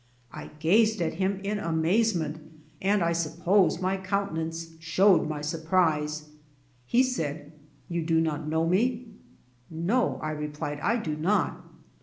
I gazed at him in amazement, and I suppose my countenance showed my surprise. He said, "You do not know me." "No," I replied, "I do not."